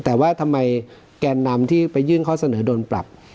แต่ว่าทำไมแกนนำที่ไปยื่นข้อเสนอโดนปรับ